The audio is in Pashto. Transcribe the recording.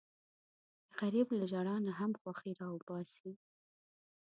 غریب له ژړا نه هم خوښي راوباسي